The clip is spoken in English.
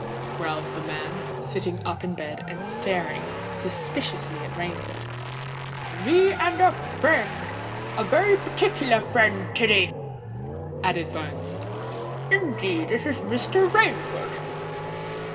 growled the man, sitting up in bed, and staring suspiciously at Rainford. "Me and a friend—a very particular friend, Tiddy," added Bones. "Indeed, it's Mr. Rainford."